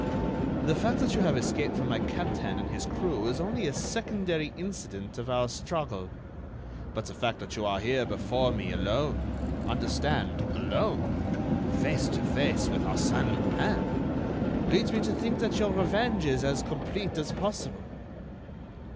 "The fact that you have escaped from my captain and his crew is only a secondary incident of our struggle. But the fact that you are here before me alone—understand, alone—face to face with Arsène Lupin, leads me to think that your revenge is as complete as possible."